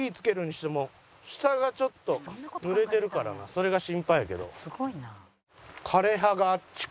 それが心配やけど。